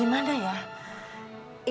ibu masih merawat orang yang lagi sakit